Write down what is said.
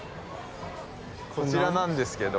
こちらなんですけど。